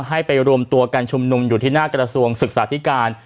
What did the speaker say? ให้ไปรวมตัวกันชุมนุมอยู่ที่หน้ากระทรวงศึกษาธิการ